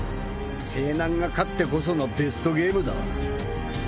勢南が勝ってこそのベストゲームだ。